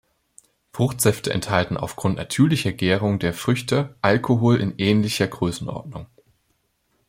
Fruchtsäfte enthalten aufgrund natürlicher Gärung der Früchte Alkohol in ähnlicher Größenordnung.